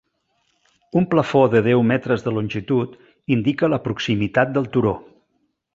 Un plafó de deu metres de longitud indica la proximitat del turó.